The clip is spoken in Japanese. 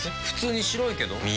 普通に白いけど。